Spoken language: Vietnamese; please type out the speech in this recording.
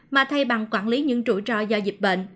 mà thay bằng quản lý những trụ trò do dịp bệnh